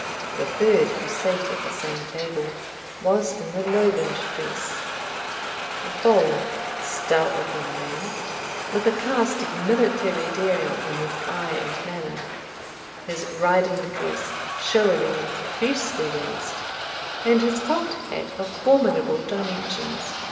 The third, who sate at the same table, was in the Lowland dress, a bold, stout looking man, with a cast of military daring in his eye and manner, his riding dress showily and profusely laced, and his cocked hat of formidable dimensions.